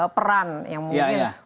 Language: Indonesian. peran yang mungkin